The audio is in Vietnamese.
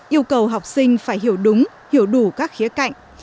yêu cầu học sinh phải hiểu đúng hiểu đủ các khía cạnh